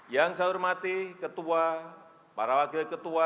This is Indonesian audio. yang saya hormati ketua para wakil ketua